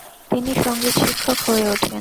তিনি সঙ্গীত শিক্ষক হয়ে ওঠেন।